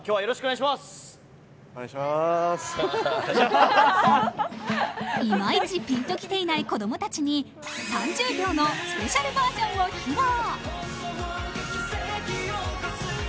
いまいちピンときていない子供たちに３０秒のスペシャルバージョンを披露。